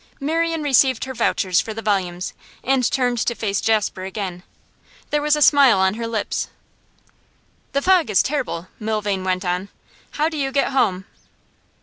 Marian received her vouchers for the volumes, and turned to face Jasper again. There was a smile on her lips. 'The fog is terrible,' Milvain went on. 'How do you get home?